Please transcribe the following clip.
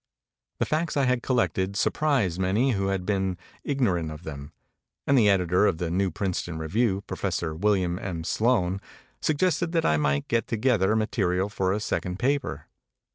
The facts I had collected surprized many who 256 MEMORIES OF MARK TWAIN had been ignorant of them; and the editor of the New Princeton Revieu>, Professor William M. Sloane, suggested that I might get together ma terial for a second paper.